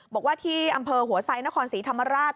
บอกว่าที่อำเภอหัวไซดนครศรีธรรมราช